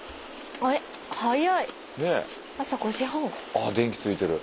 あ電気ついてる。